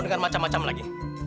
dengar macam macam lagi